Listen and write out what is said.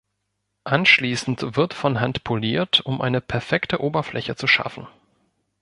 Abschließend wird von Hand poliert, um eine perfekte Oberfläche zu schaffen.